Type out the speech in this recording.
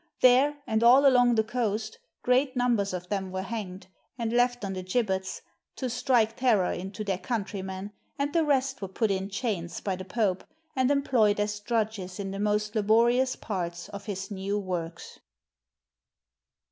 There, and all along the coast, great numbers of them were hanged, and left on the gibbets, to strike terror into their countrymen, and the rest were put in chains by the Pope, and employed as drudges in the most laborious parts of his new works.